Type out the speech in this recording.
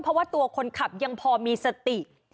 เพราะว่าตัวคนขับยังพอมีสติ